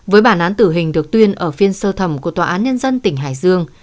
với bản án tử hình được tuyên ở phiên sơ thẩm của tòa án nhân dân tỉnh hải dương